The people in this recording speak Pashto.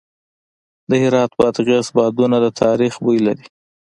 د هرات بادغیس بادونه د تاریخ بوی لري.